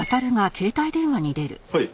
はい。